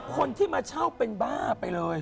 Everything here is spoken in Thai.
คนที่มาเช่าเป็นบ้าไปเลย